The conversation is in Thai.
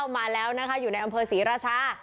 มาแล้วนะคะอยู่ในอำเภอศรีราชา